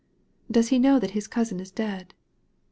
Does he know that his cousin is dead